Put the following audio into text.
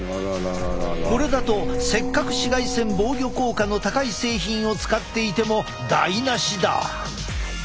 これだとせっかく紫外線防御効果の高い製品を使っていても台なしだ。